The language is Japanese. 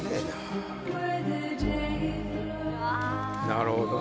なるほど。